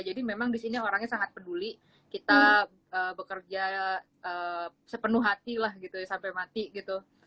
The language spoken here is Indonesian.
jadi memang di sini orangnya sangat peduli kita bekerja sepenuh hati lah gitu ya sampai mati gitu